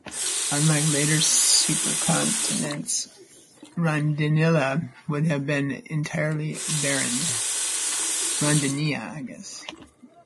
Unlike later supercontinents, Rodinia would have been entirely barren.